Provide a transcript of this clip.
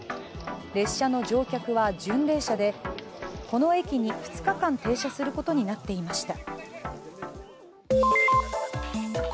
列車の乗客は巡礼者で、この駅に２日間停車することになっていました。